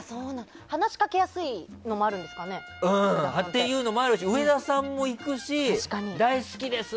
話しかけやすいのもあるんですかね？というのもあるし上田さんも行くし大好きです！